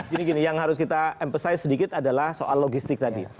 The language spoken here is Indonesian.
gini gini yang harus kita emphasize sedikit adalah soal logistik tadi